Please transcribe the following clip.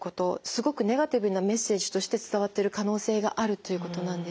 すごくネガティブなメッセージとして伝わってる可能性があるということなんです。